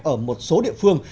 ở một số địa phương